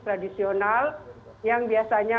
tradisional yang biasanya